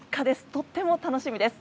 とっても楽しみです。